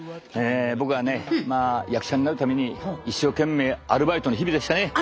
僕はねまあ役者になるために一生懸命アルバイトの日々でしたね。